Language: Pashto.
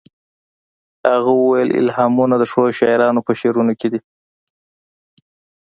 هغه وویل الهامونه د ښو شاعرانو په شعرونو کې دي